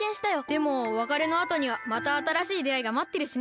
でもわかれのあとにはまたあたらしいであいがまってるしね。